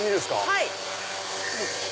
はい。